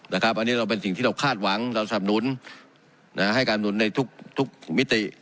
อันนี้เราเป็นสิ่งที่เราคาดหวังเราสนุนให้การหนุนในทุกมิติ